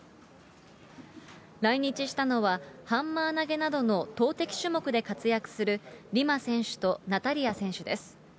来日したのは、ハンマー投げなどの投てき種目で活躍する、リマ選手とナタリア選手です。